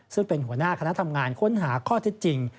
ซึ่งเป็นหัวหน้าคณะทำงานค้นหาข้อเท็จจริง